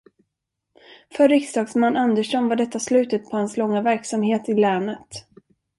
För riksdagsman Andersson var detta slutet på hans långa verksamhet i länet.